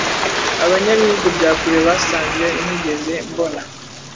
Abanya bihugu bya kure basanze ntigeze mbona